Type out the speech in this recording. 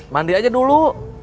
mandi aja dulu